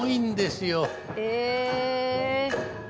へえ。